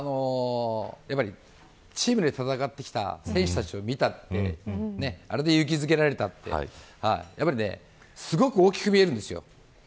チームで戦ってきた選手たちを見たってあれで勇気づけられたってすごく大きく見えるんですよ。